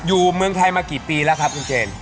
เมืองไทยมากี่ปีแล้วครับคุณเจน